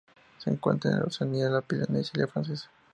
Se encuentra en Oceanía: la Polinesia Francesa.